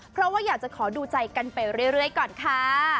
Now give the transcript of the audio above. เพราะว่าอยากจะขอดูใจกันไปเรื่อยก่อนค่ะ